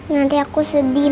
nanti aku sedih ma